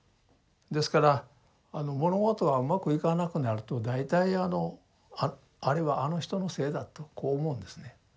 ですから物事はうまくいかなくなると大体あのあれはあの人のせいだとこう思うんですね。